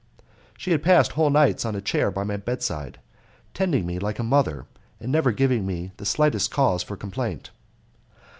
She had passed whole nights on a chair by my bedside, tending me like a mother, and never giving me the slightest cause for complaint.